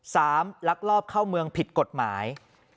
ลักลอบเข้าเมืองผิดกฎหมาย